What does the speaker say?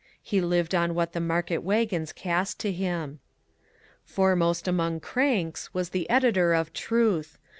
He lived on what the market wagons cast to him. Foremost among "cranks" was the editor of "Truth."